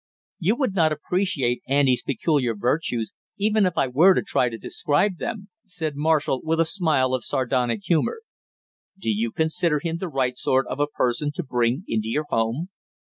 "You would not appreciate Andy's peculiar virtues even if I were to try to describe them," said Marshall with a smile of sardonic humor. "Do you consider him the right sort of a person to bring into your home?"